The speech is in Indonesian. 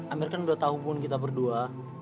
amir kan udah tahu pun kita berdua